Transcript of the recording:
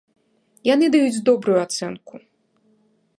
Яны даюць добрую ацэнку.